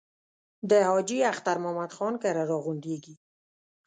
د حاجي اختر محمد خان کره را غونډېږي.